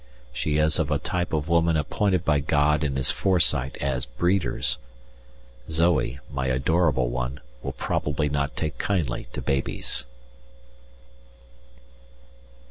She is of a type of woman appointed by God in his foresight as breeders. Zoe, my adorable one, will probably not take kindly to babies.